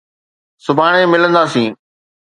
سڀاڻي ملنداسين.